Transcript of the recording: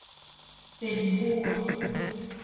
เป็นพวก